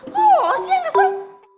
kok lo sih yang kesel